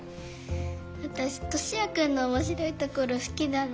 わたしトシヤくんのおもしろいところすきだな。